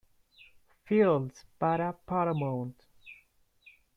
Fields para Paramount.